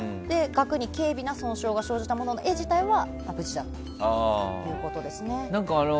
額に軽微な損傷が生じたものの絵自体は無事だったということです。